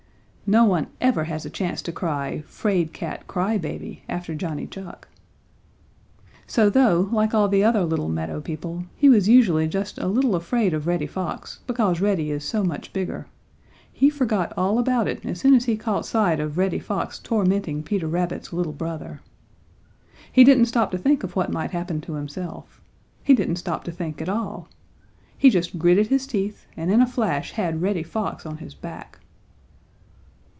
No one ever has a chance to cry, "'Fraid cat! Cry baby!" after Johnny Chuck. So though, like all the other little meadow people, he was usually just a little afraid of Reddy Fox, because Reddy is so much bigger, he forgot all about it as soon as he caught sight of Reddy Fox tormenting Peter Rabbit's little brother. He didn't stop to think of what might happen to himself. He didn't stop to think at all. He just gritted his teeth and in a flash had Reddy Fox on his back.